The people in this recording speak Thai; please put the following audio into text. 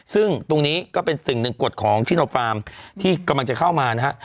ซึ่งตรงนี้ก็เป็นสิ่งหนึ่งกฎของชิโนฟาร์มที่กำลังจะเข้ามานะฮะ